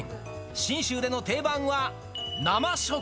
信州での定番は、生食。